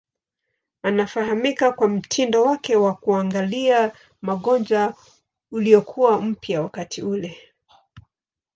Anafahamika kwa mtindo wake wa kuangalia magonjwa uliokuwa mpya wakati ule.